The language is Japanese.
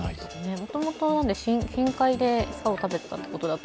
もともと深海で餌を食べていたということだと、